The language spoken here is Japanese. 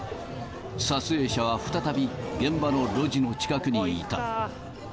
撮影者は再び、現場の路地の近くにいた。